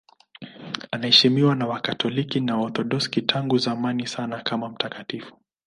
Anaheshimiwa na Wakatoliki na Waorthodoksi tangu zamani sana kama mtakatifu.